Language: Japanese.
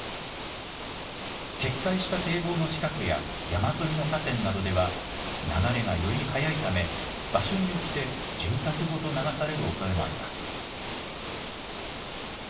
決壊した堤防の近くや山沿いの河川などでは流れがより速いため場所によって住宅ごと流されるおそれもあります。